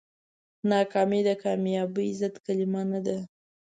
ناکامي د کامیابۍ ضد کلمه نه ده.